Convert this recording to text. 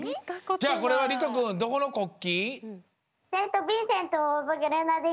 じゃあこれはりとくんどこの国旗？